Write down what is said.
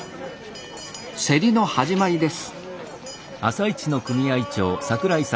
競りの始まりです